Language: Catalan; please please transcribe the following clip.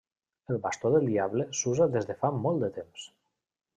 El bastó del diable s'usa des de fa molt de temps.